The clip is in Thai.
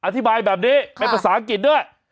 อธิบายแบบนี้เป็นภาษาอังกฤษด้วย